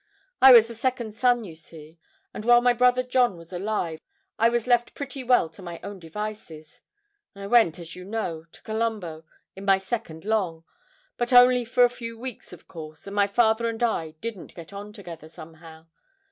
I was the second son, you see, and while my brother John was alive I was left pretty well to my own devices. I went, as you know, to Colombo in my second Long, but only for a few weeks of course, and my father and I didn't get on together somehow.